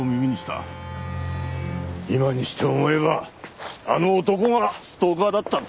今にして思えばあの男がストーカーだったんだ。